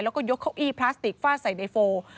แล้วก็ยกเก้าอี้พลาสติกฟาดใส่ในโฟ